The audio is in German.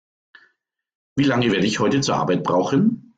Wie lange werde ich heute zur Arbeit brauchen?